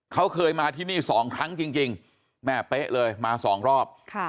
เขาเคยมาที่นี่สองครั้งจริงแม่เป๊ะเลยมาสองรอบ